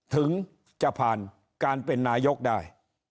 ถึงจะผ่านการเป็นนายกได้